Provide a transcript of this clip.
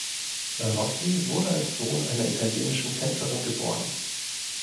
Rossi wurde als Sohn einer italienischen Tänzerin geboren.